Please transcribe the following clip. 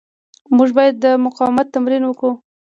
موږ باید د مقاومت تمرین وکړو.